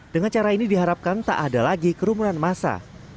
dengan cara ini diharapkan tak ada lagi kerumunan massa